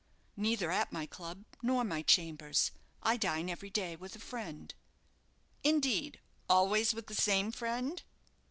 "Neither at my club, nor my chambers; I dine every day with a friend." "Indeed; always with the same friend?"